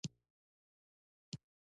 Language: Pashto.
بلې ټولنې د مسلک کیفیت ښه کړ.